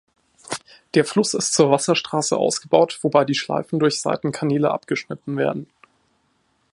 Der Fluss ist zur Wasserstraße ausgebaut, wobei die Schleifen durch Seitenkanäle abgeschnitten werden.